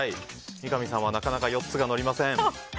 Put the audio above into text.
三上さんはなかなか４つが載りません。